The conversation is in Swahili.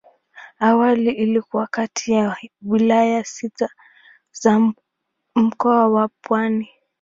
Awali ilikuwa kati ya wilaya sita za Mkoa wa Pwani.